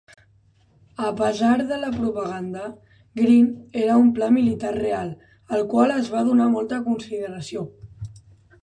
A pesar de la propaganda, Green "era" un pla militar real al qual es va donar molta consideració.